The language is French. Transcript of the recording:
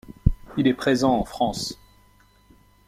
Il est présent en France.